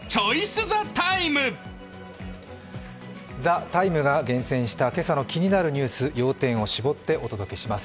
「ＴＨＥＴＩＭＥ’」が厳選した今朝の気になるニュース、要点を絞ってお届けします。